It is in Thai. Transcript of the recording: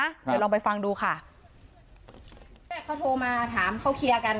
เดี๋ยวลองไปฟังดูค่ะแม่เขาโทรมาถามเขาเคลียร์กัน